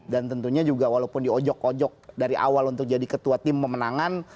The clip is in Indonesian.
dan tentunya juga walaupun di ojok ojok dari awal untuk jadi ketua tim pemenangan